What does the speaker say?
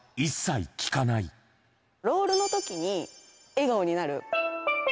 ロールのときに、笑顔になる。